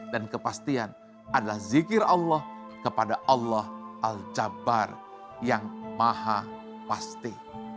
dan kepastian adalah zikir allah kepada allah al jabbar yang maha pasti